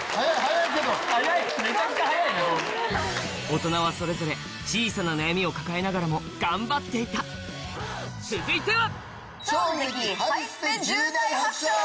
オトナはそれぞれ小さな悩みを抱えながらも頑張っていた続いては！